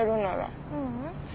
ううん。